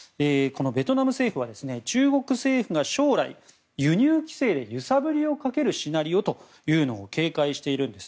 ベトナム政府は、中国政府が将来、輸入規制で揺さぶりをかけるシナリオを警戒しているんです。